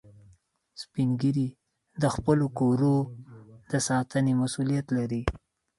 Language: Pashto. سپین ږیری د خپلو کورو د ساتنې مسؤولیت لري